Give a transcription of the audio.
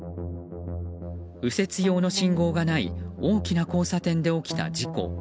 右折用の信号がない大きな交差点で起きた事故。